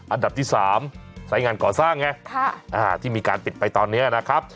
อันดับที่๓สายงานก่อสร้างไงที่มีการปิดไปตอนนี้นะครับ